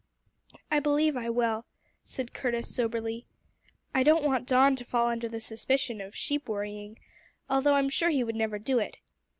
"I believe I will," said Curtis soberly. "I don't want Don to fall under suspicion of sheep worrying, though I'm sure he would never do it.